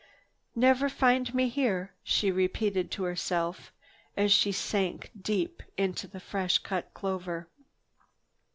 "Never find me here," she repeated to herself as she sank deep into the fresh cut clover.